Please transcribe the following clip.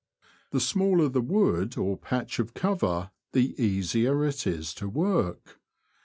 The smaller the wood or patch of cover the easier it is to work.